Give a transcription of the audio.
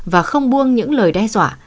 và không buông những lời đe dọa